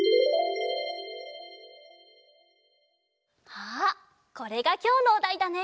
あっこれがきょうのおだいだね。